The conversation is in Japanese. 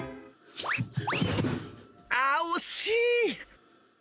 ああ、惜しい！